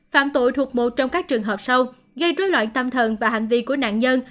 phạm tội thuộc một trong các trường hợp sâu gây rối loạn tâm thần và hành vi của nạn nhân